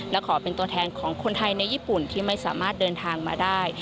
และขอเป็นตัวแทนของคนไทยในญี่ปุ่นที่ไม่สามารถเดินทางมาได้